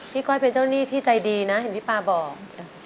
ก้อยเป็นเจ้าหนี้ที่ใจดีนะเห็นพี่ป๊าบอก